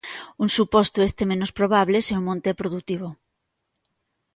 Un suposto este menos probable se o monte é produtivo.